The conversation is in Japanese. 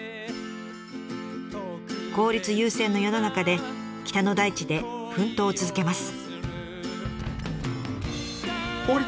効率優先の世の中で北の大地で奮闘を続けます。